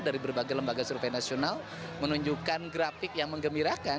dari berbagai lembaga survei nasional menunjukkan grafik yang mengembirakan